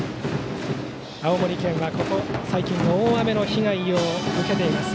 青森県はここ最近大雨の被害を受けています。